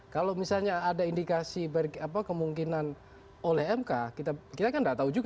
kalau misalnya ada indikasi kemungkinan oleh mk kita kan tidak tahu juga